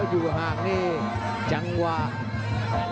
อยู่ห่างนี่จังหวะ